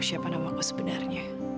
siapa namaku sebenarnya